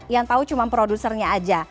yang tahu cuma produsernya aja